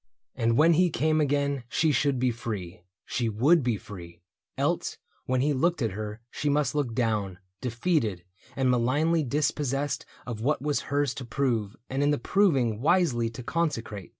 And when he came Again she should be free — she would be free. Else, when he looked at her she must look down, Defeated, and malignly dispossessed Of what was hers to prove and in the proving Wisely to consecrate.